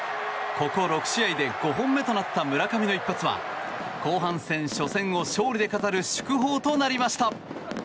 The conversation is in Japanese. ここ６試合で５本目となった村上の一発は後半戦初戦を勝利で飾る祝砲となりました。